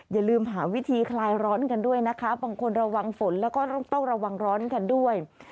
อย่าลืมหาวิธีคลายร้อนกันด้วยนะคะบางคนระวังฝนแล้วก็ต้องระวังร้อนกันด้วย